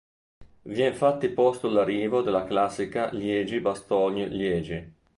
Vi è infatti posto l'arrivo della classica Liegi-Bastogne-Liegi.